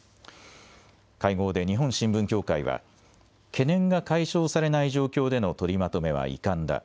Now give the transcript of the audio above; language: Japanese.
会合で日本新聞協会は懸念が解消されない状況での取りまとめは遺憾だ。